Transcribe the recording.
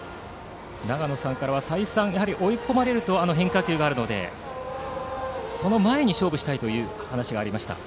長野さんからは再三追い込まれると変化球があるのでその前に勝負したいという話がありました。